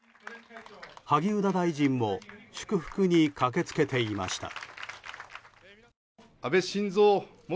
萩生田大臣も祝福に駆けつけていました。